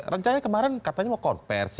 rencananya kemarin katanya mau konversi